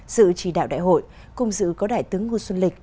dự chỉ đạo đại hội cùng dự có đại tướng nguyễn xuân lịch